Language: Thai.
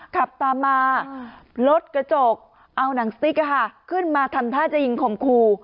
ขับตามมารถกระจกเอาหนังสติ๊กขึ้นมาทำท่าจะยิงขมครู